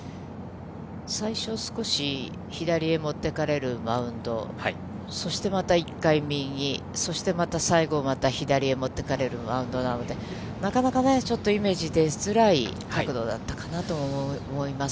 最初、少し左へ持ってかれるマウンド、そして、また一回右、そしてまた最後に左へ持ってかれるマウンドなので、ちょっとイメージ出づらい角度だったかなとも思います。